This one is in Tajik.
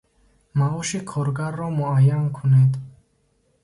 Маоши коргарро муайян кунед.